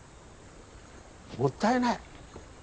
もったいない。